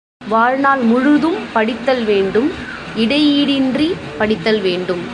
வாழ்நாள் முழுதும் படித்தல் வேண்டும், இடையீடின்றிப் படித்தல் வேண்டும்.